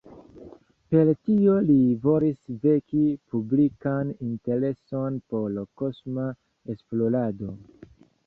Per tio li volis veki publikan intereson por kosma esplorado.